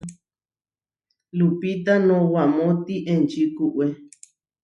Lupita noʼwámoti enči kúʼwe.